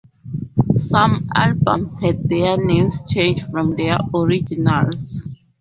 Some albums had their names changed from their originals.